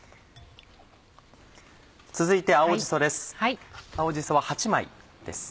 続いて青じそです